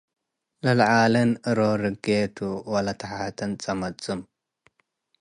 ለለዓለን ኢሮርጊቱ ወለተሓተን ጸመጽም